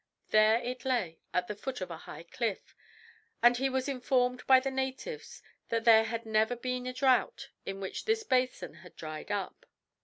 There it lay at the foot of a high cliff, and he was informed by the natives that there had never been a drought in which this basin had dried up.